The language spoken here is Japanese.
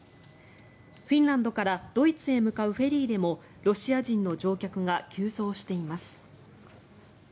フィンランドからドイツへ向かうフェリーでもロシア人の乗客が急増しています。